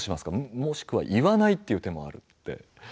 もしくは言わないという手もあると。